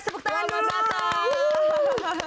semua ketahuan dulu